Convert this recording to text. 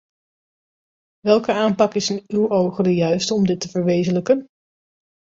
Welke aanpak is in uw ogen de juiste om dit te verwezenlijken?